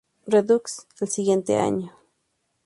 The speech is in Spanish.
Redux" el siguiente año.